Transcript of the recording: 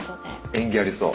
縁起ありそう。